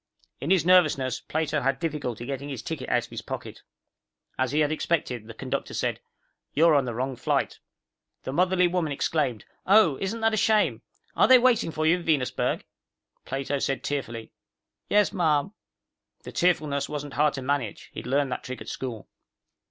In his nervousness, Plato had difficulty getting his ticket out of his pocket. As he had expected, the conductor said, "You're on the wrong flight." The motherly woman exclaimed, "Oh, isn't that a shame! Are they waiting for you in Venusberg?" Plato said tearfully, "Yes, ma'am." The tearfulness wasn't hard to manage; he'd learned the trick at school.